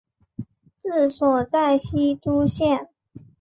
治所在西都县。